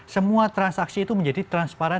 semua transaksi itu menjadi transparan